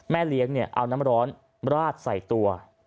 แม่เลี้ยงเนี่ยเอาน้ำร้อนราดใส่ตัว